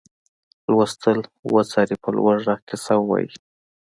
لوستل وڅاري په لوړ غږ کیسه ووايي.